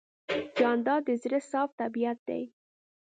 جانداد د زړه صاف طبیعت دی.